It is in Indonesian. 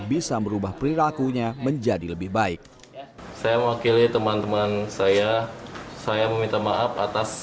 bisa merubah perilakunya menjadi lebih baik saya mewakili teman teman saya saya meminta maaf atas